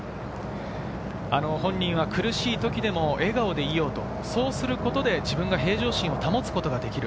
本人は苦しい時でも笑顔でいようと、そうすることで自分の平常心を保つことができる。